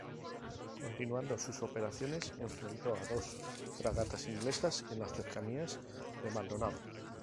Continuando sus operaciones enfrentó a dos fragatas inglesas en las cercanías de Maldonado.